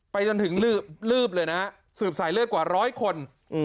ไปจนถึงลืบลืบเลยนะฮะสืบสายเลือดกว่าร้อยคนอืม